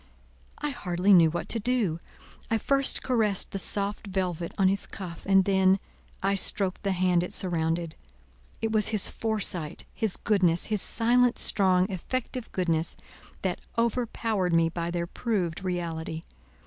I hardly knew what to do. I first caressed the soft velvet on his cuff, and then. I stroked the hand it surrounded. It was his foresight, his goodness, his silent, strong, effective goodness, that overpowered me by their proved reality.